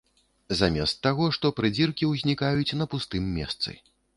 Замест таго, што прыдзіркі ўзнікаюць на пустым месцы.